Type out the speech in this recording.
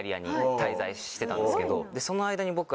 その間に僕は。